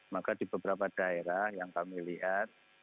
maka di beberapa daerah yang kami lihat